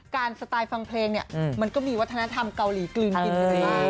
การสไตล์ฟังเพลงมันก็มีวัทธนธรรมเกาหลีกลืนหิน